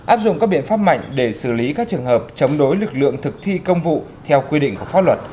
áp dụng các biện pháp mạnh để xử lý các trường hợp